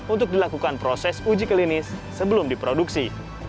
untuk dilakukan proses uji klinis sebelum diproduksi